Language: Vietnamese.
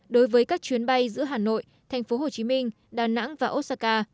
đối với các chuyến bay giữa hà nội thành phố hồ chí minh đà nẵng và osaka